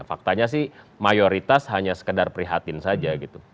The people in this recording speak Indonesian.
faktanya sih mayoritas hanya sekedar prihatin saja gitu